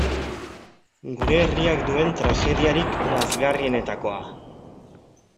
Gure herriak duen tragediarik lazgarrienetakoa.